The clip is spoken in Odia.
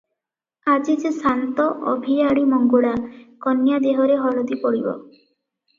ଆଜି ଯେ ସାନ୍ତ ଅଭିଆଡ଼ି ମଙ୍ଗୁଳା, କନ୍ୟା ଦେହରେ ହଳଦୀ ପଡ଼ିବ ।